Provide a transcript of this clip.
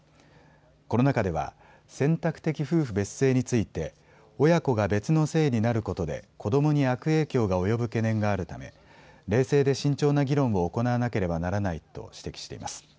この中では選択的夫婦別姓について親子が別の姓になることで子どもに悪影響が及ぶ懸念があるため冷静で慎重な議論を行わなければならないと指摘しています。